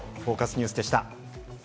ニュースでした。